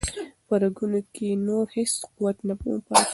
په رګونو کې یې نور هیڅ قوت نه و پاتې.